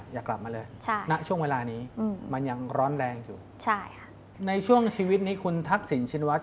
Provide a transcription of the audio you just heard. ทางเพียงเฉพาะแขรง